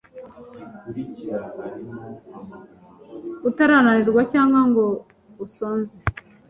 utarananirwa cyangwa ngo usonze